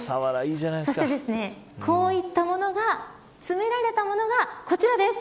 そしてこういったものが詰められたものがこちらです。